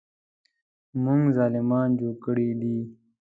موږ ظالمان جوړ کړي دي.